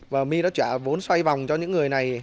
và my đã trả vốn xoay vòng cho những người này